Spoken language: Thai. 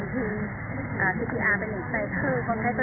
สวัสดีครับ